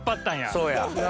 そうや。